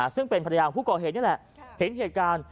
ซึ่งเป็นภรรยาของผู้ก่อเหตุนี่แหละเห็นเหตุการณ์